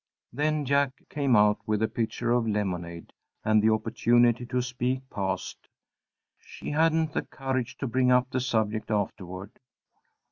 Then Jack came out with a pitcher of lemonade, and the opportunity to speak passed. She hadn't the courage to bring up the subject afterward.